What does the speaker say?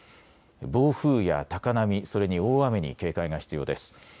暴風や高波、それに大雨に警戒が必要です。